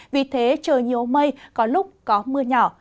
vì thế trời nhiều mây có lúc có mưa nhỏ